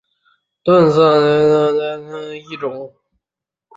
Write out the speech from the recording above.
钝色侧刺叶蚤为金花虫科侧刺叶蚤属下的一个种。